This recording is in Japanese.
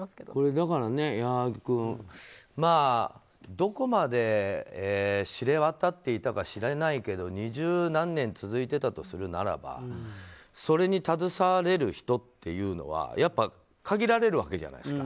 だから、矢作君どこまで知れ渡っていたかしれないけど２０何年続いていたとするならばそれに携われる人っていうのは限られるわけじゃないですか。